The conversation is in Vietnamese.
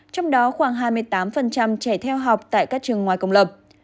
trong đó khoảng hai mươi tám trẻ theo học tại các trường ngoài công lập